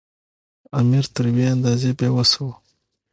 امیر تر یوې اندازې بې وسه وو.